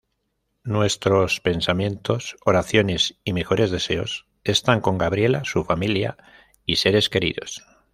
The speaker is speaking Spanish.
Nuestros pensamientos, oraciones y mejores deseos están con Gabriela, su familia y seres queridos.